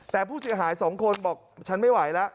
แต่ผู้เสียหายสองคนบอกฉันไม่ไหวแล้ว